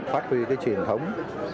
phát huy truyền thống